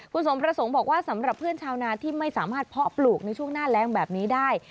คุณสมประสงค์บอกว่าสำหรับเพื่อนชาวนาที่ไม่สามารถเพาะปลูกในช่วงหน้าแรงแบบนี้ได้